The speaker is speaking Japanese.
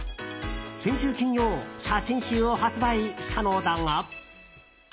先週金曜写真集を発売したのだが。